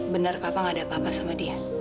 benar papa gak ada apa apa sama dia